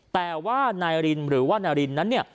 แต่ว่านายนารินหรือว่านารินนั้น